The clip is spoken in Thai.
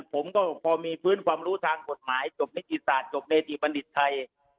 ผมก็พอมีพื้นความรู้ทางกฎหมายจบนิติศาสตร์จบเนติบัณฑิตไทย